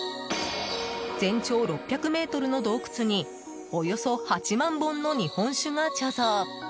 全長６００ｍの洞窟におよそ８万本の日本酒が貯蔵。